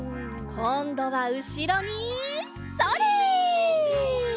こんどはうしろにそれ！